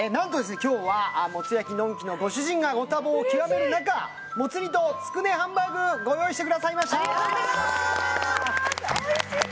今日はもつ焼のんきのご主人がご多忙を極める中もつ煮とつくねハンバーグご用意してくださいました・やった！